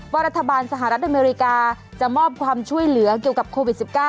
รัฐบาลสหรัฐอเมริกาจะมอบความช่วยเหลือเกี่ยวกับโควิด๑๙